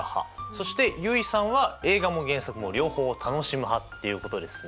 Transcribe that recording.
そして結衣さんは映画も原作も両方楽しむ派っていうことですね。